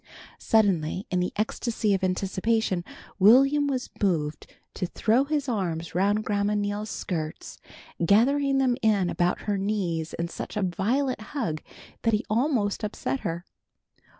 Suddenly in the ecstasy of anticipation Will'm was moved to throw his arms around Grandma Neal's skirts, gathering them in about her knees in such a violent hug that he almost upset her.